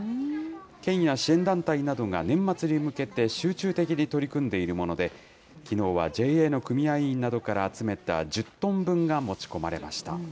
県や支援団体などが年末に向けて集中的に取り組んでいるもので、きのうはＪＡの組合員などから集めた１０トン分が持ち込まれました。